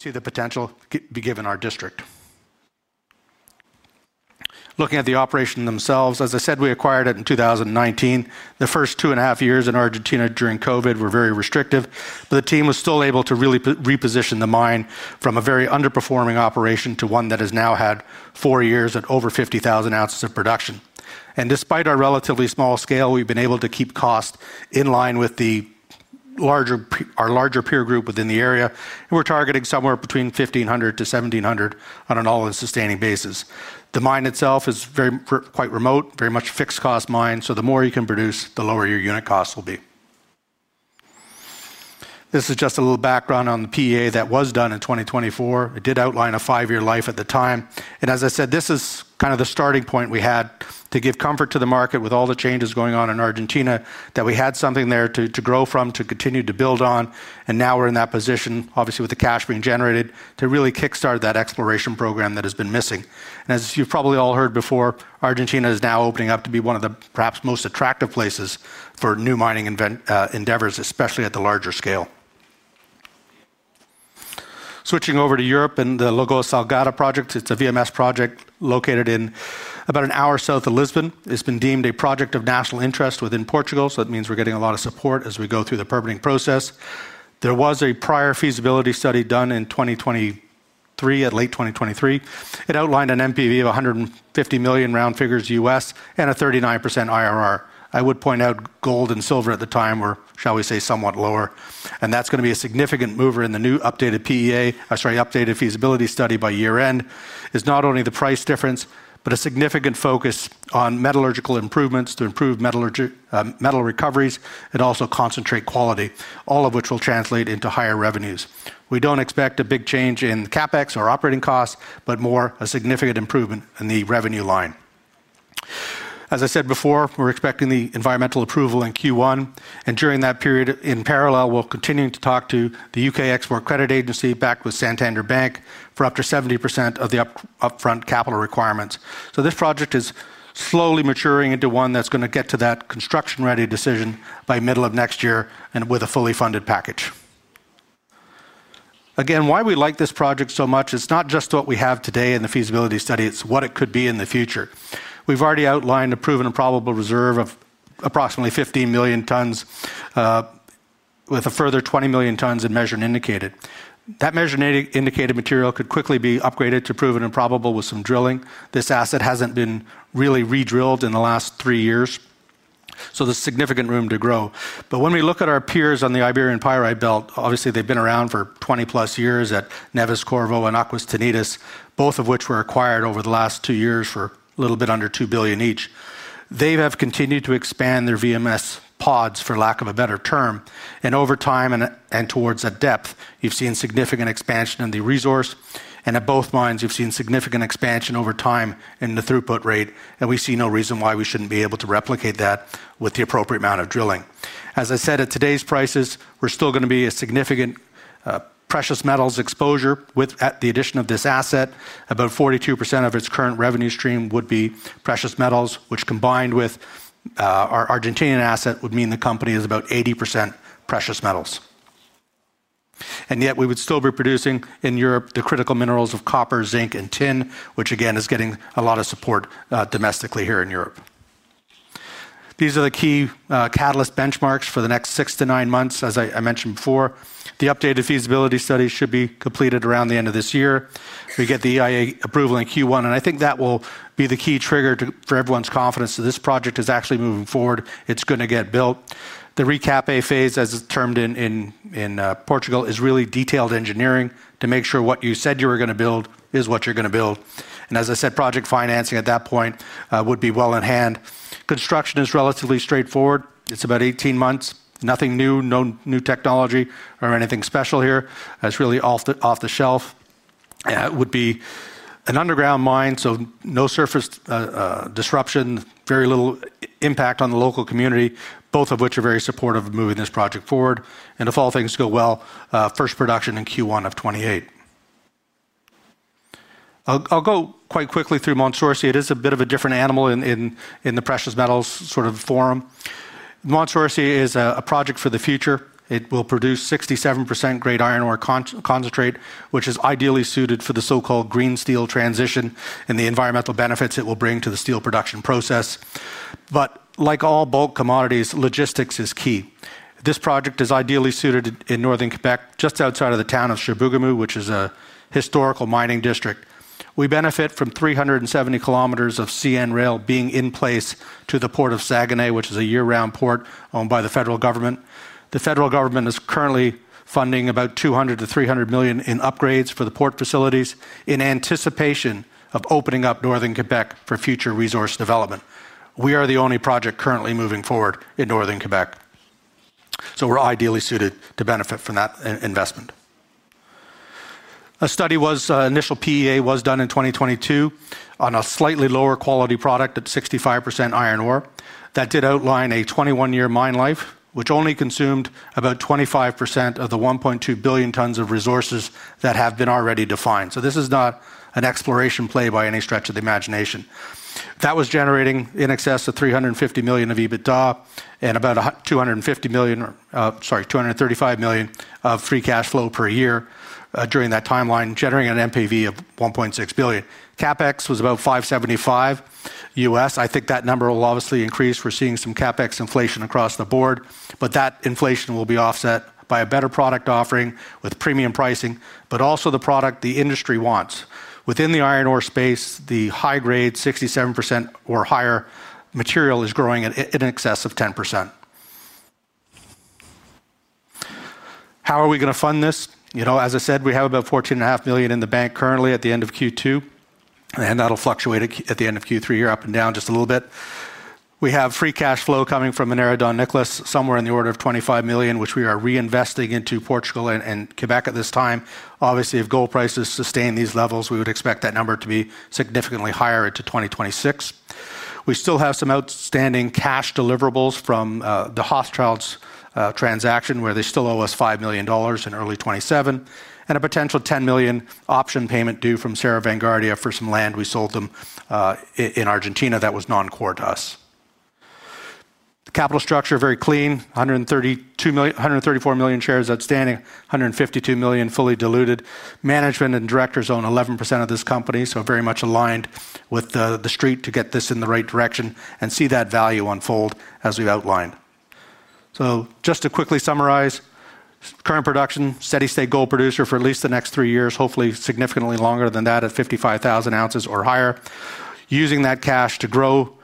See the potential be given our district. Looking at the operation themselves, as I said, we acquired it in 2019. The first 2.5 years in Argentina during COVID were very restrictive, but the team was still able to really reposition the mine from a very underperforming operation to one that has now had four years at over 50,000 ounces of production. Despite our relatively small scale, we've been able to keep cost in line with our larger peer group within the area. We're targeting somewhere between $1,500-$1,700 on an all-in sustaining basis. The mine itself is quite remote, very much a fixed cost mine, so the more you can produce, the lower your unit costs will be. This is just a little background on the PEA that was done in 2024. It did outline a five-year life at the time. This is kind of the starting point we had to give comfort to the market with all the changes going on in Argentina that we had something there to grow from, to continue to build on. Now we're in that position, obviously with the cash being generated, to really kickstart that exploration program that has been missing. As you've probably all heard before, Argentina is now opening up to be one of the perhaps most attractive places for new mining endeavors, especially at the larger scale. Switching over to Europe and the Lagoa Salgada project, it's a VMS project located about an hour south of Lisbon. It's been deemed a project of national interest within Portugal, so that means we're getting a lot of support as we go through the permitting process. There was a prior feasibility study done in 2023, at late 2023. It outlined an NPV of $150 million round figures U.S. and a 39% IRR. I would point out gold and silver at the time were, shall we say, somewhat lower. That's going to be a significant mover in the new updated PEA, I'm sorry, updated feasibility study by year end. It's not only the price difference, but a significant focus on metallurgical improvements to improve metal recoveries and also concentrate quality, all of which will translate into higher revenues. We don't expect a big change in CAPEX or operating costs, but more a significant improvement in the revenue line. As I said before, we're expecting the environmental approval in Q1, and during that period in parallel, we're continuing to talk to the UK Export Credit Agency back with Santander Bank for up to 70% of the upfront capital requirements. This project is slowly maturing into one that's going to get to that construction-ready decision by the middle of next year with a fully funded package. Again, why we like this project so much is not just what we have today in the feasibility study, it's what it could be in the future. We've already outlined a proven and probable reserve of approximately 15 million tons, with a further 20 million tons in measured indicated. That measured indicated material could quickly be upgraded to proven and probable with some drilling. This asset hasn't been really re-drilled in the last three years, so there's significant room to grow. When we look at our peers on the Iberian Pyrite Belt, obviously they've been around for 20+ years at Neves Corvo and Aguas Teñidas, both of which were acquired over the last two years for a little bit under $2 billion each. They have continued to expand their VMS pods, for lack of a better term, and over time and towards a depth, you've seen significant expansion in the resource. At both mines, you've seen significant expansion over time in the throughput rate, and we see no reason why we shouldn't be able to replicate that with the appropriate amount of drilling. As I said, at today's prices, we're still going to be a significant precious metals exposure with the addition of this asset. About 42% of its current revenue stream would be precious metals, which combined with our Argentinian asset would mean the company is about 80% precious metals. Yet we would still be producing in Europe the critical minerals of copper, zinc, and tin, which again is getting a lot of support domestically here in Europe. These are the key catalyst benchmarks for the next six to nine months, as I mentioned before. The updated feasibility study should be completed around the end of this year. We get the EIA approval in Q1, and I think that will be the key trigger for everyone's confidence that this project is actually moving forward. It's going to get built. The Recap A phase, as it's termed in Portugal, is really detailed engineering to make sure what you said you were going to build is what you're going to build. As I said, project financing at that point would be well in hand. Construction is relatively straightforward. It's about 18 months. Nothing new, no new technology or anything special here. It's really off the shelf. It would be an underground mine, so no surface disruption, very little impact on the local community, both of which are very supportive of moving this project forward. If all things go well, first production in Q1 of 2028. I'll go quite quickly through Mont Sorcier. It is a bit of a different animal in the precious metals sort of forum. Mont Sorcier is a project for the future. It will produce 67% grade iron ore concentrate, which is ideally suited for the so-called green steel transition and the environmental benefits it will bring to the steel production process. Like all bulk commodities, logistics is key. This project is ideally suited in northern Quebec, just outside of the town of Chibougamau, which is a historical mining district. We benefit from 370 km of CN rail being in place to the Port of Saguenay, which is a year-round port owned by the federal government. The federal government is currently funding about $200 million-$300 million in upgrades for the port facilities in anticipation of opening up northern Quebec for future resource development. We are the only project currently moving forward in northern Quebec. We're ideally suited to benefit from that investment. An initial PEA was done in 2022 on a slightly lower quality product of 65% iron ore. That did outline a 21-year mine life, which only consumed about 25% of the 1.2 billion tons of resources that have been already defined. This is not an exploration play by any stretch of the imagination. That was generating in excess of $350 million of EBITDA and about $235 million of free cash flow per year during that timeline, generating an NPV of $1.6 billion. CAPEX was about $575 million US. I think that number will obviously increase. We're seeing some CAPEX inflation across the board, but that inflation will be offset by a better product offering with premium pricing, but also the product the industry wants. Within the iron ore space, the high-grade 67% or higher material is growing in excess of 10%. How are we going to fund this? As I said, we have about $14.5 million in the bank currently at the end of Q2, and that'll fluctuate at the end of Q3 year up and down just a little bit. We have free cash flow coming from Minera Don Nicolás, somewhere in the order of $25 million, which we are reinvesting into Portugal and Quebec at this time. Obviously, if gold prices sustain these levels, we would expect that number to be significantly higher into 2026. We still have some outstanding cash deliverables from the Hochschild transaction where they still owe us $5 million in early 2027, and a potential $10 million option payment due from Sierra Vanguardia for some land we sold them in Argentina that was non-core to us. The capital structure is very clean. 134 million shares outstanding, 152 million fully diluted. Management and directors own 11% of this company, so very much aligned with the street to get this in the right direction and see that value unfold as we've outlined. Just to quickly summarize, current production, steady state gold producer for at least the next three years, hopefully significantly longer than that at 55,000 ounces or higher, using that cash to grow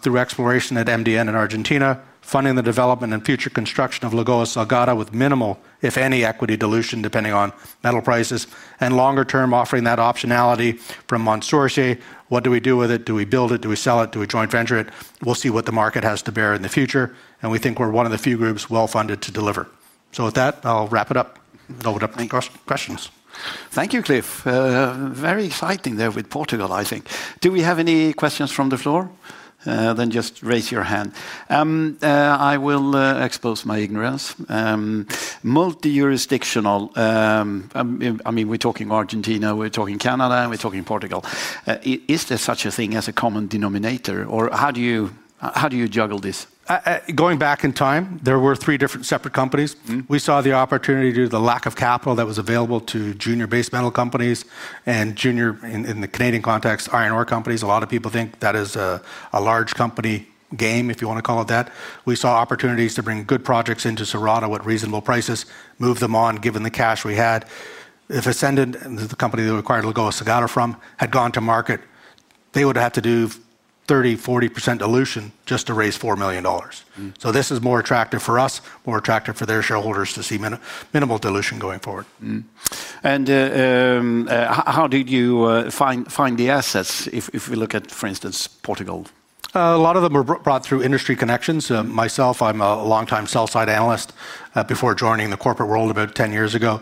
through exploration at MDN in Argentina, funding the development and future construction of Lagoa Salgada with minimal, if any, equity dilution depending on metal prices, and longer term offering that optionality from Mont Sorcier. What do we do with it? Do we build it? Do we sell it? Do we joint venture it? We'll see what the market has to bear in the future. We think we're one of the few groups well funded to deliver. With that, I'll wrap it up. I'll open it up for any questions. Thank you, Cliff. Very exciting there with Portugal, I think. Do we have any questions from the floor? Just raise your hand. I will expose my ignorance. Multi-jurisdictional, I mean, we're talking Argentina, we're talking Canada, and we're talking Portugal. Is there such a thing as a common denominator, or how do you juggle this? Going back in time, there were three different separate companies. We saw the opportunity due to the lack of capital that was available to junior base metal companies and junior, in the Canadian context, iron ore companies. A lot of people think that is a large company game, if you want to call it that. We saw opportunities to bring good projects into Cerrado Gold at reasonable prices, move them on given the cash we had. If Ascendant Resources, the company that we acquired Lagoa Salgada from, had gone to market, they would have had to do 30%, 40% dilution just to raise $4 million. This is more attractive for us, more attractive for their shareholders to see minimal dilution going forward. How did you find the assets if we look at, for instance, Portugal? A lot of them were brought through industry connections. Myself, I'm a longtime sell-side analyst before joining the corporate world about 10 years ago.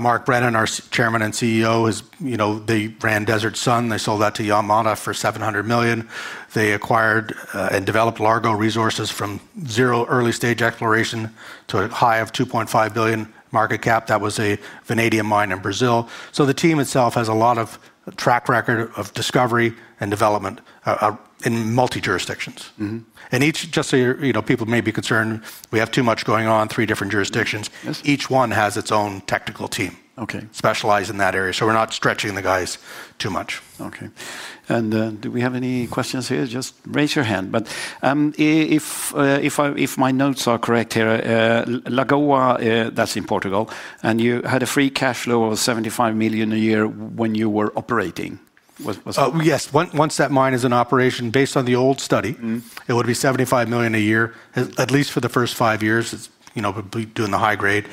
Mark Brennan, our Chairman and CEO, they ran Desert Sun. They sold that to Yamana for $700 million. They acquired and developed Largo Resources from zero early stage exploration to a high of $2.5 billion market cap. That was a vanadium mine in Brazil. The team itself has a lot of track record of discovery and development in multi-jurisdictions. Each, just so you know, people may be concerned, we have too much going on, three different jurisdictions. Each one has its own technical team specialized in that area. We're not stretching the guys too much. Okay. Do we have any questions here? Just raise your hand. If my notes are correct here, Lagoa, that's in Portugal, and you had a free cash flow of $75 million a year when you were operating. Yes. Once that mine is in operation, based on the old study, it would be $75 million a year, at least for the first five years, you know, doing the high grade.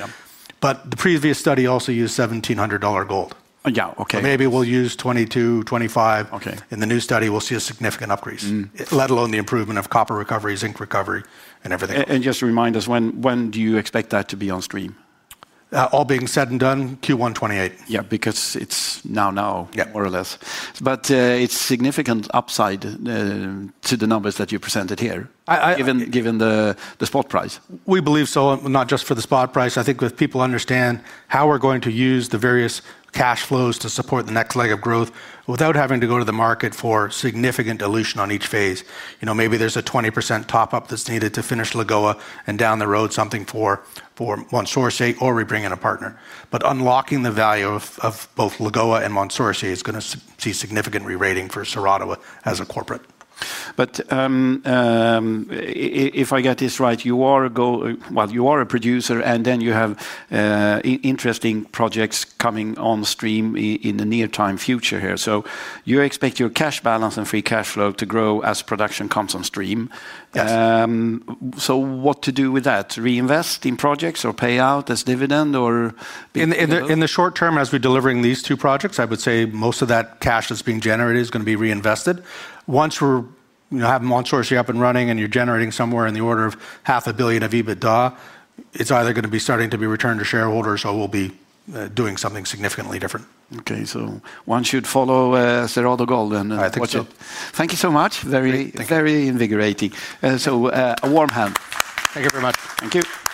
The previous study also used $1,700 gold. Yeah, okay. Maybe we'll use 22, 25. Okay. In the new study, we'll see a significant upgrade, let alone the improvement of copper recovery, zinc recovery, and everything. Just to remind us, when do you expect that to be on stream? All being said and done, Q1 2028. Yeah, because it's now more or less. It's significant upside to the numbers that you presented here, given the spot price. We believe so, not just for the spot price. I think if people understand how we're going to use the various cash flows to support the next leg of growth without having to go to the market for significant dilution on each phase, you know, maybe there's a 20% top-up that's needed to finish Lagoa and down the road something for Mont Sorcier or we bring in a partner. Unlocking the value of both Lagoa and Mont Sorcier is going to see significant rerating for Cerrado Gold as a corporate. If I get this right, you are a gold, you are a producer and then you have interesting projects coming on stream in the near-term future here. You expect your cash balance and free cash flow to grow as production comes on stream. Yes. What to do with that? Reinvest in projects or pay out as dividend or? In the short term, as we're delivering these two projects, I would say most of that cash that's being generated is going to be reinvested. Once we're having Mont Sorcier up and running and you're generating somewhere in the order of half a billion of EBITDA, it's either going to be starting to be returned to shareholders or we'll be doing something significantly different. Okay, once you follow Cerrado Gold and watch it. I think so. Thank you so much. Very, very invigorating. A warm hug. Thank you very much. Thank you.